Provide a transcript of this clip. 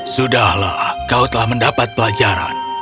sudahlah kau telah mendapat pelajaran